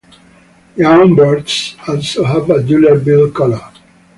Young birds also have a duller bill color.